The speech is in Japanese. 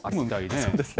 そうですね。